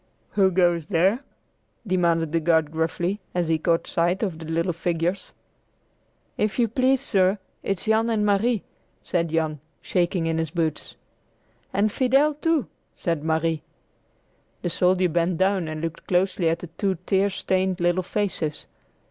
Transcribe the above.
"Who goes there?" demanded the guard gruffly, as he caught sight of the little figures. "If you please, sir, it's Jan and Marie," said Jan, shaking in his boots. "And Fidel, too," said Marie. The soldier bent down and looked closely at the two tear stained little faces.